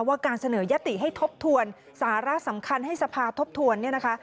ว่าการเสนอยติให้ทบทวนสาระสำคัญให้สภาพทบทวน